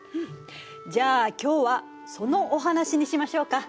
じゃあ今日はそのお話にしましょうか。